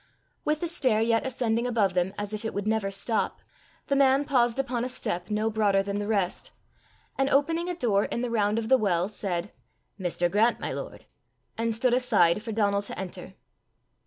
With the stair yet ascending above them as if it would never stop, the man paused upon a step no broader than the rest, and opening a door in the round of the well, said, "Mr. Grant, my lord," and stood aside for Donal to enter.